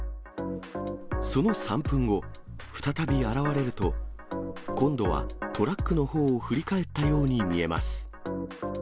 その３分後、再び現れると、今度はトラックのほうを振り返ったように見えます。